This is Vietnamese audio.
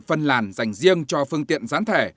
phân làn dành riêng cho phương tiện gián thẻ